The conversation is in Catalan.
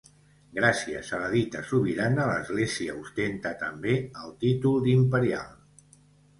Gràcies a la dita sobirana l'església ostenta també el títol d'imperial.